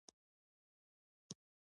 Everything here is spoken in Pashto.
جالبه خو لا داده چې دلته هره جګړه پېښه شوې.